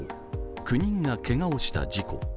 ９人がけがをした事故。